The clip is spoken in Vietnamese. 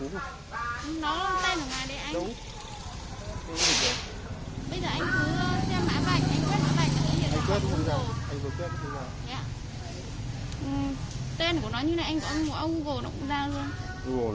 nó lên ở ngoài để anh